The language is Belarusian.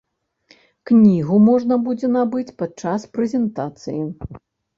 Кнігу можна будзе набыць падчас прэзентацый.